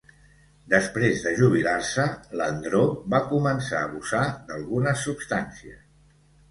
Després de jubilar-se, Landreaux va començar a abusar d'algunes substàncies.